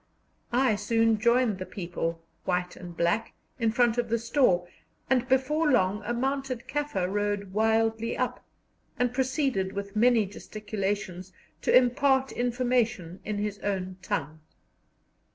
I soon joined the people, white and back, in front of the store, and before long a mounted Kaffir rode wildly up, and proceeded, with many gesticulations, to impart information in his own tongue.